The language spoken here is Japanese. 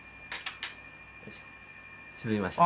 沈みました。